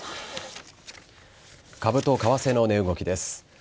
株と為替の値動きです。